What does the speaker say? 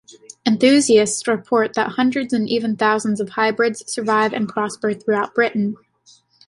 Enthusiasts report that hundreds and even thousands of hybrids survive and prosper throughout Britain.